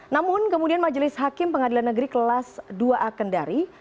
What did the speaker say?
namun kemudian majelis hakim pengadilan negeri kelas dua a kendari